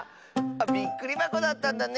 びっくりばこだったんだね。